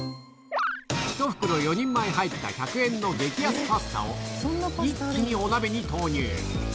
１袋４人前入った１００円の激安パスタを、一気にお鍋に投入。